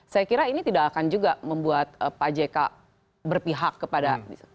saya kira ini tidak akan juga membuat pak jk berpihak kepada